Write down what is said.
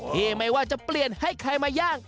ไม่ว่าจะเปลี่ยนให้ใครมาย่าง